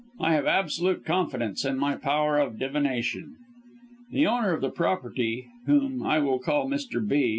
I have absolute confidence in my power of divination." The owner of the property, whom I will call Mr. B.